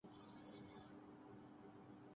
اللہ کی زمین پر جب ناانصافی ہو ، ظلم و ستم بڑھ جائے